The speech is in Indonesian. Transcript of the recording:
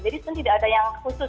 jadi itu tidak ada yang khusus ya